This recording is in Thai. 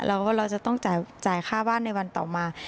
แล้วก็เราจะต้องจ่ายค่าบ้านในวันต่อมา